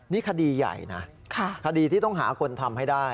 นี่คดีใหญ่นะคดีที่ต้องหาคนทำให้ได้